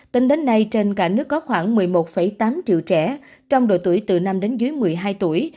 tính đến nay trên cả nước có khoảng một mươi một tám triệu trẻ trong độ tuổi từ năm đến dưới một mươi hai tuổi